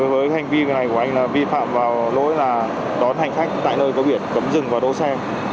với hành vi này của anh là vi phạm vào lỗi là đón hành khách tại nơi có biển cấm rừng và đỗ xe